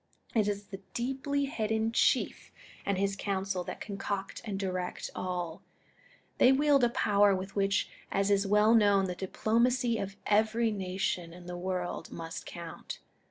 It is the deeply hidden Chief and his Council that concoct and direct all. They wield a power with which, as is well known, the dii^lomacy of every nation in the world must count.